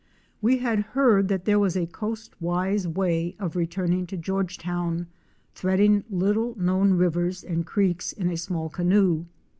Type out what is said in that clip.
We had heard that there was a coast wise way of returning to Georgetown; threading little known rivers and creeks in a small canoe.